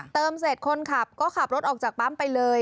เติมเสร็จคนขับก็ขับรถออกจากปั๊มไปเลย